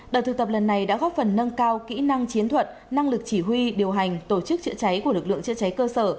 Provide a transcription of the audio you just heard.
đợt thực tập lần này đã góp phần nâng cao kỹ năng chiến thuật năng lực chỉ huy điều hành tổ chức chữa cháy của lực lượng chữa cháy cơ sở